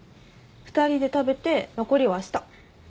２人で食べて残りはあした。